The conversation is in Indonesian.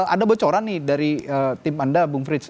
ada bocoran nih dari tim anda bung frits